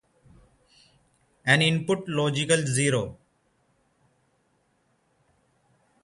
An input logical zero.